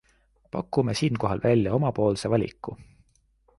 Pakume siinkohal välja omapoolse valiku.